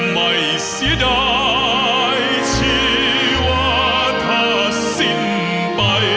ไม่ให้เสียดายชีวาทัศนไป